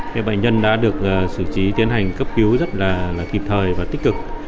thế bệnh nhân đã được xử trí tiến hành cấp cứu rất là kịp thời và tích cực